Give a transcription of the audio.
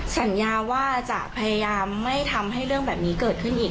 สัญญาว่าจะพยายามไม่ทำให้เรื่องแบบนี้เกิดขึ้นอีก